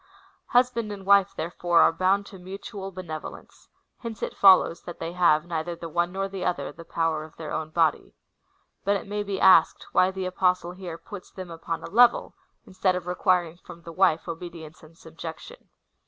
Husband and svife, therefore, are bound to mutual benevolence : hence it follows; that they have, neither the one nor the other, the power of their own body. But it may be asked, why the Apostle here puts them upon a level, instead of requiring from the wife obedience and subjection.